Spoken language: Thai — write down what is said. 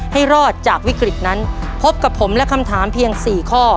ให้รอดจากวิกฤตนั้นพบกับผมและคำถามเพียง๔ข้อ